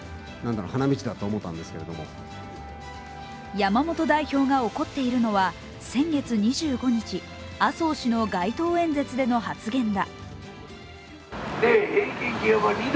山本代表が怒っているのは、先月２５日、麻生氏の街頭演説での発言だ。